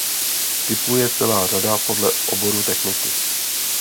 Typů je celá řada podle oborů techniky.